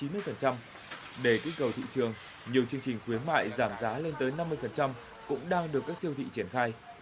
để kích cầu thị trường nhiều chương trình khuyến mại giảm giá lên tới năm mươi cũng đang được các siêu thị triển khai